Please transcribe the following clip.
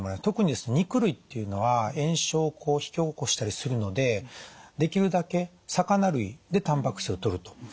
特に肉類っていうのは炎症を引き起こしたりするのでできるだけ魚類でたんぱく質をとると。